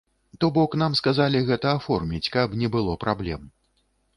То бок нам сказалі гэта аформіць, каб не было праблем.